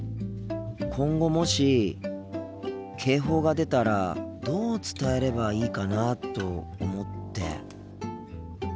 今後もし警報が出たらどう伝えればいいかなと思って。